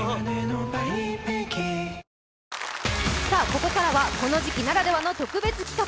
ここからはこの時期ならではの特別企画。